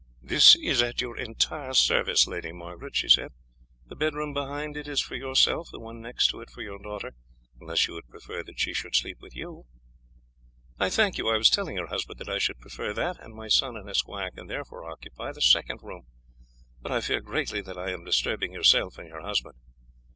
"This is at your entire service, Lady Margaret," she said. "The bedroom behind it is for yourself, the one next to it for your daughter, unless you would prefer that she should sleep with you." "I thank you. I was telling your husband that I should prefer that; and my son and esquire can therefore occupy the second room. But I fear greatly that I am disturbing yourself and your husband."